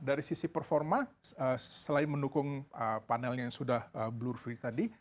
dari sisi performa selain mendukung panelnya yang sudah blur free tadi